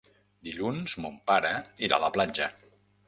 Dilluns mon pare irà a la platja.